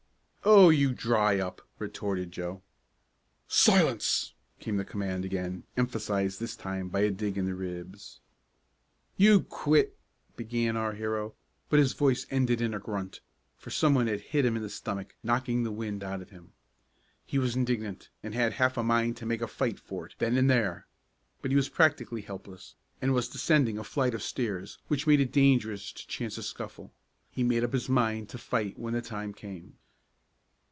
"Oh, you dry up!" retorted Joe. "Silence!" came the command again, emphasized this time by a dig in the ribs. "You quit " began our hero, but his voice ended in a grunt, for some one had hit him in the stomach, knocking the wind out of him. He was indignant, and had half a mind to make a fight for it then and there. But he was practically helpless, and was descending a flight of stairs which made it dangerous to chance a scuffle. He made up his mind to fight when the time came.